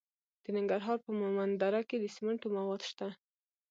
د ننګرهار په مومند دره کې د سمنټو مواد شته.